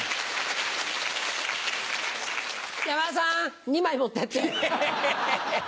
山田さん２枚持ってって。